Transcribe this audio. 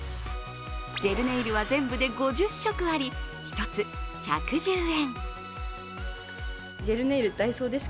ジェルネイルは全部で５０色あり１つ１１０円。